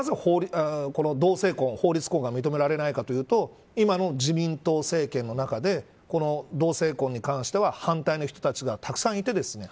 じゃあ、なぜ同性婚法律婚が認められないかというと今の自民党政権の中でこの同性婚に関しては反対の人たちが、たくさんいて。